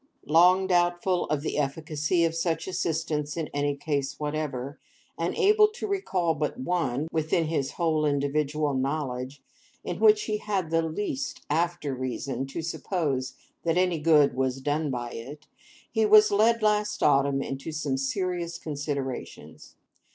Long doubtful of the efficacy of such assistance in any case whatever, and able to recall but one, within his whole individual knowledge, in which he had the least after reason to suppose that any good was done by it, he was led, last autumn, into some serious considerations.